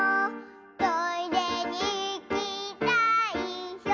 「トイレにいきたいよ」